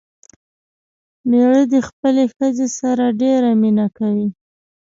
مېړه دې خپلې ښځې سره ډېره مينه کوي